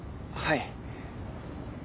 はい。